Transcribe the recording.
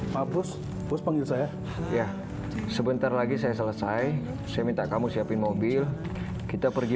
pak pus pus panggil saya ya sebentar lagi saya selesai saya minta kamu siapin mobil kita pergi